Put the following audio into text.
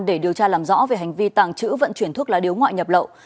để điều tra làm rõ về hành vi tàng trữ vận chuyển thuốc lá điếu ngoại nhập lậu